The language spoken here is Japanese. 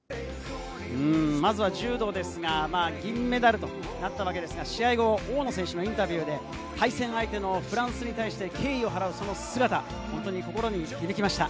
まずは柔道ですが、銀メダルとなったわけですが、試合後、大野選手のインタビューで対戦相手のフランスに対して敬意を払うその姿、本当に心に響きました。